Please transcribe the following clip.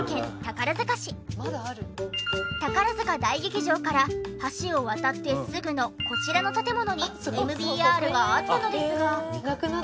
宝塚大劇場から橋を渡ってすぐのこちらの建物にＭＢＲがあったのですが。